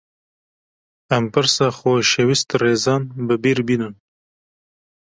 Em pirsa xoşewîst Rêzan bi bîr bînin